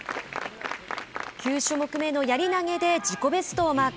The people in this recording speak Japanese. ９種目めのやり投げで自己ベストをマーク。